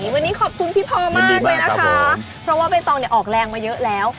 วันนี้ขอบคุณพี่พ่อมากเลยนะคะเพราะว่าใบตองเนี่ยออกแรงมาเยอะแล้ว